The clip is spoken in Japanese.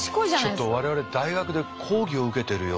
ちょっと我々大学で講義を受けてるような。